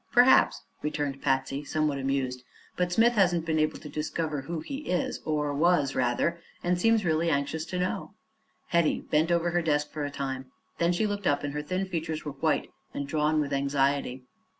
"Perhaps," returned Patsy, somewhat amused; "but Smith hasn't been able to discover who he is or was, rather and seems really anxious to know." Hetty bent over her desk for a time. Then she looked up and her thin features were white and drawn with anxiety.